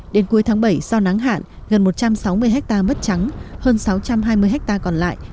đến cuối tháng bảy do nắng hạn gần một trăm sáu mươi hectare mất trắng hơn sáu trăm hai mươi hectare còn lại